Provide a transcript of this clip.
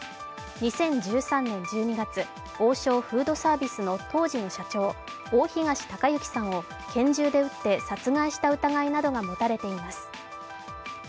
２０１３年１２月、王将フードサービスの当時の社長、大東隆行さんを拳銃で撃って殺害した疑いなどが持たれています。